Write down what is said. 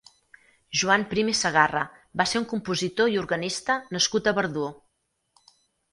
Joan Prim i Segarra va ser un compositor i organista nascut a Verdú.